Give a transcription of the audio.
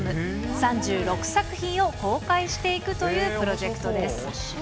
３６作品を公開していくというプロジェクトです。